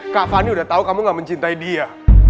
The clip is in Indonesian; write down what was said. kak fani udah tahu kamu gak mencintai dia